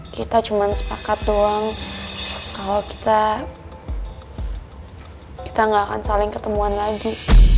kita cuma sepakat doang kalau kita nggak akan saling ketemuan lagi